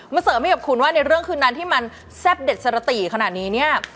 เสริมให้กับคุณว่าในเรื่องคืนนั้นที่มันแซ่บเด็ดสรติขนาดนี้เนี่ย